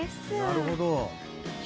なるほど。